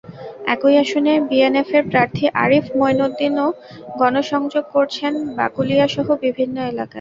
একই আসনে বিএনএফের প্রার্থী আরিফ মঈনুদ্দিনও গণসংযোগ করছেন বাকলিয়াসহ বিভিন্ন এলাকায়।